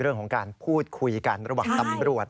เรื่องของการพูดคุยกันระหว่างตำรวจ